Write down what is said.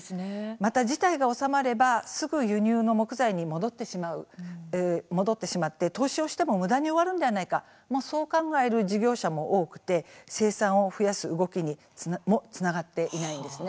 また事態が収まればすぐ輸入の木材に戻ってしまう投資をしても、むだに終わるのではないかそう考える事業者も多く生産を増やす動きにつながっていないんですね。